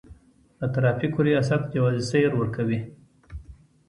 د ترافیکو ریاست جواز سیر ورکوي